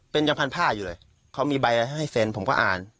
เป็นยังพันผ้าอยู่เลยเขามีใบอะไรให้แฟนผมก็อ่าน